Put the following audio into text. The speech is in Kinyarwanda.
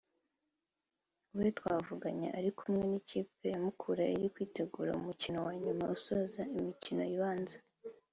we twavuganye ari kumwe n’ikipe ya Mukura iri kwitegura umukino wa nyuma usoza imikino ibanza